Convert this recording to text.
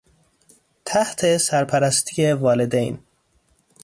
تحت سرپرستی والدین